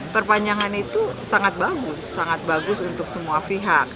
perpanjangan itu sangat bagus sangat bagus untuk semua pihak